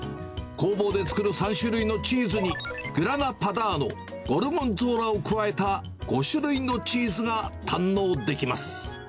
工房で作る３種類のチーズに、グラナパダーノ、ゴルゴンゾーラを加えた５種類のチーズが堪能できます。